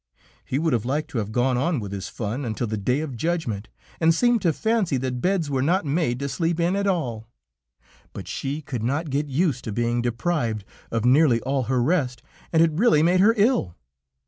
He would have liked to have gone on with his fun until the Day of Judgment, and seemed to fancy that beds were not made to sleep in at all, but she could not get used to being deprived of nearly all her rest, and it really made her ill.